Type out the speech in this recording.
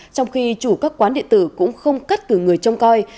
trong khi chủ các quán điện tử cũng không cất cử người trong coi